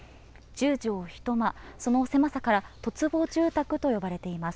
１０畳１間、その狭さから十坪住宅と呼ばれています。